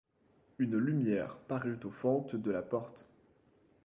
Une lumière parut aux fentes de la porte.